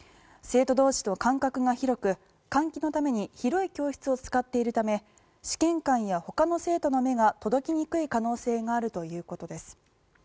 生徒同士の間隔が広く換気のために広い教室を使っているため試験官やほかの生徒の目が届きにくい可能性があるということです。